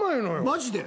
マジで？